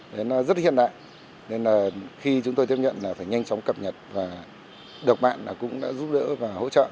đấy nó rất hiện đại nên là khi chúng tôi tiếp nhận là phải nhanh chóng cập nhật và được bạn cũng đã giúp đỡ và hỗ trợ